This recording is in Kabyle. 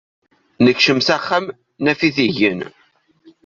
Nekcem s axxam, naf-it igen.